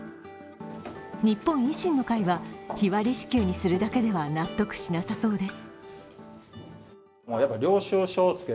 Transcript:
日本維新の会は日割り支給にするだけでは納得しなさそうです。